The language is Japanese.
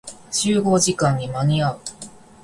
集合時間に間に合う。